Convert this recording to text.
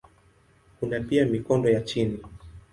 Kuna pia mikondo ya chini.